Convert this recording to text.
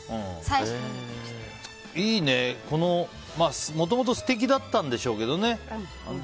いいね、もともと素敵だったんでしょうけどね。